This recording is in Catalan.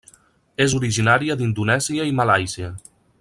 És originària d'Indonèsia i Malàisia.